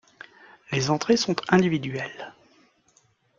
Les entrées sont individuelles.